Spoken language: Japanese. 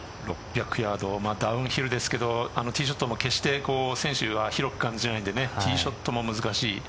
６００ヤードダウンヒルですけどティーショットも決して選手は広く感じないんでティーショットも難しい。